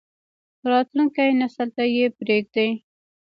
راتلونکی نسل ته یې پریږدئ